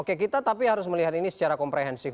oke kita tapi harus melihat ini secara komprehensif